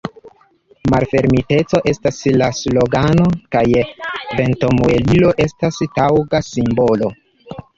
Malfermiteco estas la slogano, kaj ventomuelilo estas taŭga simbolo.